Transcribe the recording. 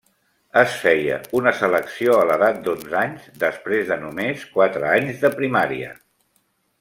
Es feia una selecció a l'edat d'onze anys després de només quatre anys de primària.